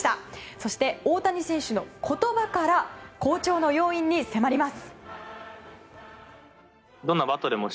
そして大谷選手の言葉から好調の要因に迫ります。